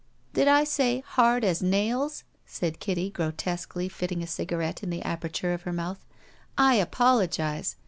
'' "Did I say 'hard as nails'?" said Kitty, gro tesquely fitting a cigarette in the aperture of her mouth. "I apologize.